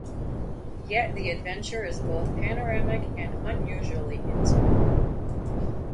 Yet the adventure is both panoramic and unusually intimate.